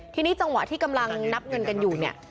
ทีนี้จังหวะที่กำลังนับเงินกันอยู่เนี่ย